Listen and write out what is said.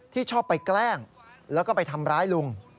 ชอบไปแกล้งแล้วก็ไปทำร้ายลุง